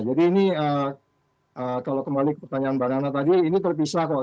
jadi ini kalau kembali ke pertanyaan bhanana tadi ini terpisah kok